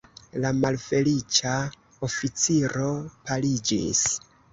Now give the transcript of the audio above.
La malfeliĉa oficiro paliĝis.